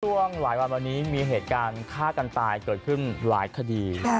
ช่วงหลายวันวันนี้มีเหตุการณ์ฆ่ากันตายเกิดขึ้นหลายคดี